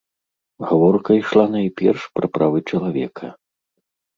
Гаворка ішла найперш пра правы чалавека.